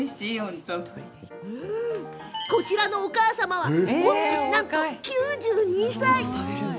こちらのお母様は御年なんと９２歳。